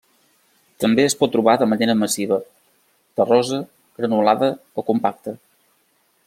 També es pot trobar de manera massiva, terrosa, granulada o compacta.